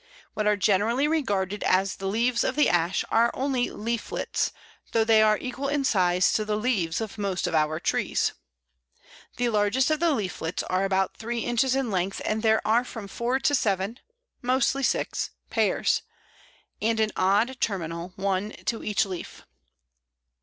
What are generally regarded as the leaves of the Ash are only leaflets, though they are equal in size to the leaves of most of our trees. The largest of the leaflets are about three inches in length, and there are from four to seven mostly six pairs, and an odd terminal one, to each leaf.